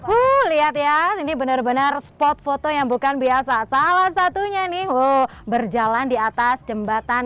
uh lihat ya ini benar benar spot foto yang bukan biasa salah satunya nih berjalan di atas jembatan